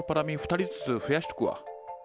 ２人ずつ増やしとくわ。